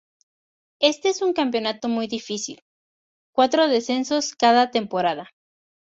Este es un campeonato muy difícil: cuatro descensos cada temporada.